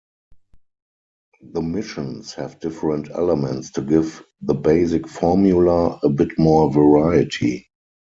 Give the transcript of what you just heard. The missions have different elements to give the basic formula a bit more variety.